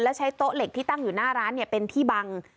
แล้วใช้โต๊ะเหล็กที่ตั้งอยู่หน้าร้านเป็นที่บัง